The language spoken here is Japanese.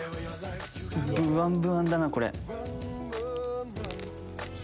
ぶわんぶわんだな。